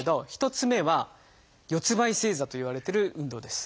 １つ目は「四つんばい正座」といわれてる運動です。